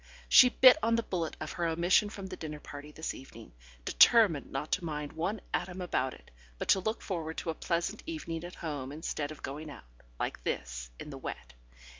She bit on the bullet of her omission from the dinner party this evening, determining not to mind one atom about it, but to look forward to a pleasant evening at home instead of going out (like this) in the wet.